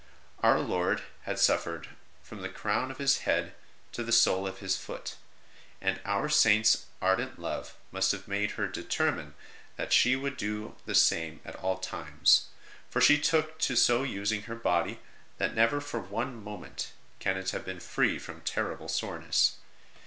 Our Lord had suffered from the crown of His head to the sole of His foot ; and our Saint s ardent love must have made her determine that she would do the same at all times, for she took to so using her body that never for one moment can it have been free from terrible soreness.